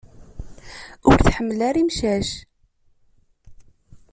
Ur tḥemmel ara imcac.